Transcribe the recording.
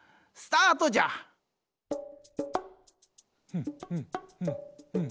ふんふんふんふん。